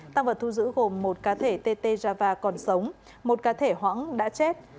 tăng vật thu giữ gồm một cá thể tt java còn sống một cá thể hoãng đã chết